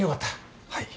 はい。